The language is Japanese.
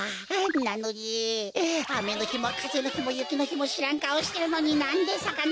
なのにあめのひもかぜのひもゆきのひもしらんかおしてるのになんでさかないんだってか！